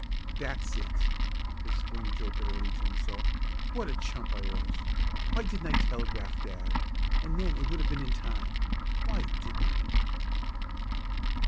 "That's it!" exclaimed Joe bitterly to himself. "What a chump I was. Why didn't I telegraph dad, and then it would have been in time. Why didn't I?"